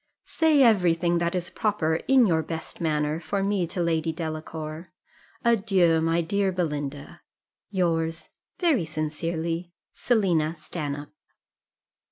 Say every thing that is proper, in your best manner, for me to Lady Delacour. "Adieu, my dear Belinda, "Yours, very sincerely, "SELINA STANHOPE."